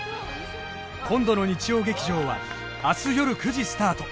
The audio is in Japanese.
今度の日曜劇場は明日よる９時スタート